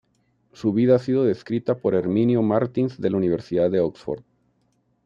Su vida ha sido descrita por Herminio Martins de la Universidad de Oxford.